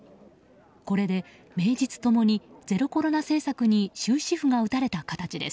これで名実共にゼロコロナ政策に終止符が打たれた形です。